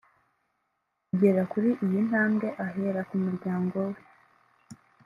kugera kuri iyi ntabwe ahera ku muryango we